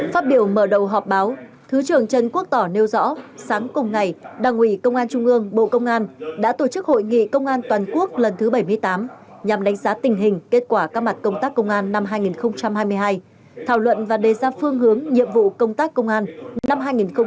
phát biểu mở đầu họp báo thứ trưởng trần quốc tỏ nêu rõ sáng cùng ngày đảng ủy công an trung ương bộ công an đã tổ chức hội nghị công an toàn quốc lần thứ bảy mươi tám nhằm đánh giá tình hình kết quả các mặt công tác công an năm hai nghìn hai mươi hai thảo luận và đề ra phương hướng nhiệm vụ công tác công an năm hai nghìn hai mươi bốn